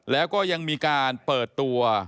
แล้วก็ยังมีการเปิดตัว